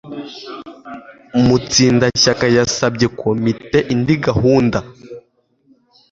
Mutsindashyaka yasabye komite indi gahunda.